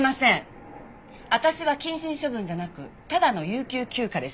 私は謹慎処分じゃなくただの有給休暇です。